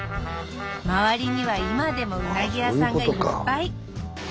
周りには今でもうなぎ屋さんがいっぱい！